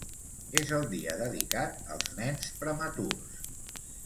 És el dia dedicat als nens prematurs.